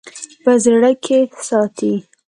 په زړه کښې ساتي--